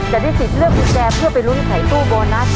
จะได้สิทธิ์เลือกกุญแจเพื่อไปลุ้นไขตู้โบนัส